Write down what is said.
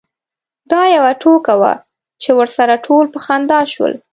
دا یوه ټوکه وه چې ورسره ټول په خندا شول.